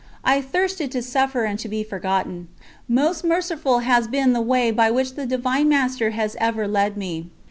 I thirsted to suffer and to be forgotten. Most merciful has been the way by which the Divine Master has ever led me.